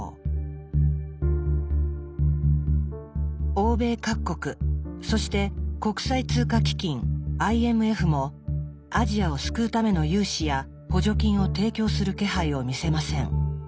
欧米各国そして国際通貨基金ＩＭＦもアジアを救うための融資や補助金を提供する気配を見せません。